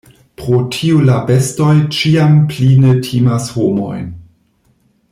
Pro tio la bestoj ĉiam pli ne timas homojn.